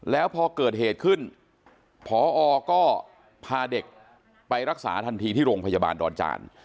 แล้วพอเกิดเหตุขึ้นพอก็พาเด็กไปรักษาทันทีที่โรงพยาบาลดอนจาน